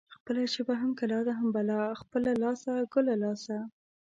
خپله ژبه هم کلا ده هم بلا. خپله لاسه ګله لاسه.